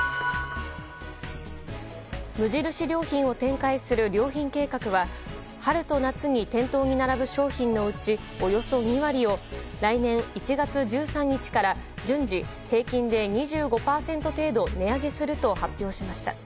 無印良品を展開する良品計画は春と夏に店頭に並ぶ商品のうちおよそ２割を来年１月１３日から順次、平均で２５％程度値上げすると発表しました。